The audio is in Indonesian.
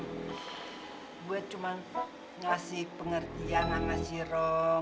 gue cuma ngasih pengertian sama si robi